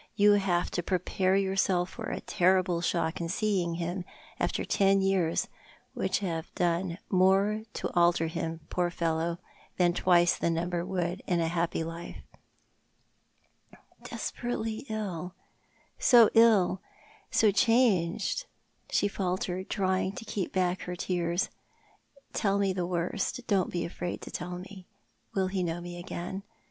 You have to prepare yourself for a terrible shock in seeing him after ten years which have done more to alter him, poor fellow, than twice the number would in a happy life." " Desperately ill— so ill, so changed," she faltered, trying to Death hi Life. 287 keep back her tears. " Tell me the worst — don't be afraid to tell Die. Will he know me again